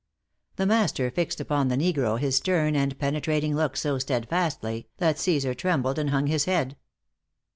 The master fixed upon the negro his stern and penetrating look so steadfastly, that Cæsar trembled and hung his head.